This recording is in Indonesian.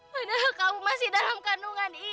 padahal kamu masih dalam kandungan